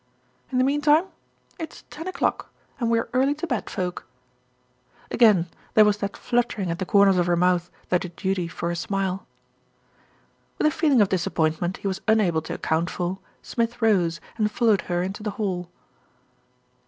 In the meantime, it's ten o'clock, and we are early to bed folk." Again there was that fluttering at the corners of her mouth that did duty for a smile. With a feeling of disappointment he was unable to account for, Smith rose and followed her into the hall.